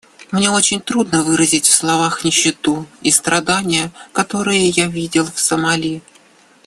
Мне очень трудно выразить в словах нищету и страдания, которые я видел в Сомали.